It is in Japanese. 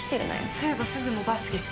そういえばすずもバスケ好きだよね？